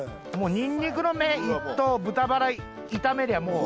ニンニクの芽と豚バラ炒めりゃもう。